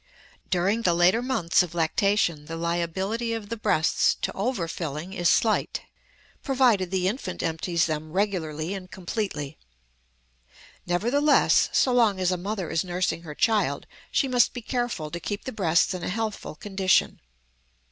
During the later months of lactation the liability of the breasts to over filling is slight, provided the infant empties them regularly and completely. Nevertheless, so long as a mother is nursing her child she must be careful to keep the breasts in a healthful condition.